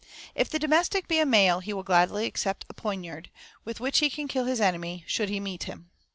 If the domestic be a male he will gladly accept a poignard, with which he can kill his enemy, should he meet him.